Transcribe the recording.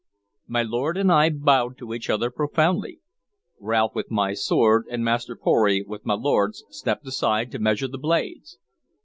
My lord and I bowed to each other profoundly. Rolfe with my sword and Master Pory with my lord's stepped aside to measure the blades.